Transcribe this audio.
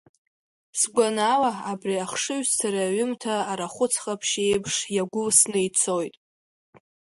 Сгәанала абри ахшыҩзцара аҩымҭа арахәыц ҟаԥшь еиԥш иагәылсны ицоит.